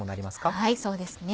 はいそうですね。